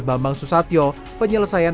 bambang susatyo penyelesaian